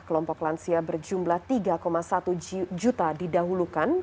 kelompok lansia berjumlah tiga satu juta didahulukan